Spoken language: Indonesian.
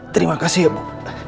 terima kasih ya bu